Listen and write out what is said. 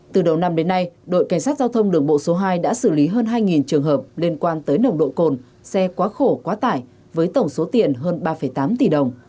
từ đầu năm đến nay đội cảnh sát giao thông đường bộ số hai đã xử lý hơn hai trường hợp liên quan tới nồng độ cồn xe quá khổ quá tải với tổng số tiền hơn ba tám tỷ đồng